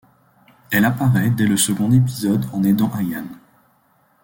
Elle apparait dès le second épisode en aidant Ayane.